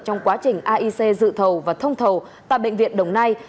trong quá trình aic dự thầu và thông thầu tại bệnh viện đồng nai